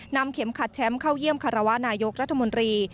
เข็มขัดแชมป์เข้าเยี่ยมคารวะนายกรัฐมนตรี